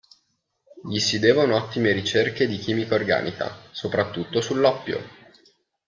Gli si devono ottime ricerche di chimica organica, soprattutto sull'oppio.